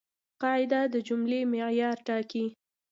قاعده د جملې معیار ټاکي.